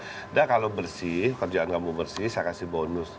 sudah kalau bersih kerjaan kamu bersih saya kasih bonus